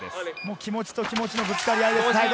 気持ちと気持ちのぶつかり合いです。